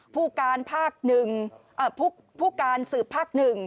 ผู้การภาค๑ผู้การสืบภาค๑